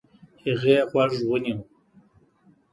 هغې غوږ ونيو.